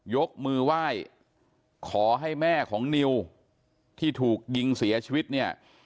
ยกมือไหว้ขอให้แม่ของนิวที่ถูกยิงเสียชีวิตเนี่ย